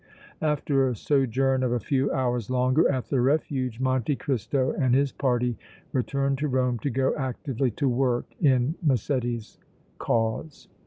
After a sojourn of a few hours longer at the Refuge, Monte Cristo and his party returned to Rome to go actively to work in Massetti's cause.